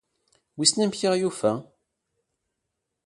Wissen amek i aɣ-yufa ?